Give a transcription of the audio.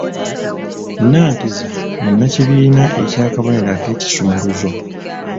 Nanteza munnakibiina eky'akabonero ak'ekisumuluzo.